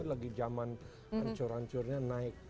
itu lagi zaman ancur ancurnya naik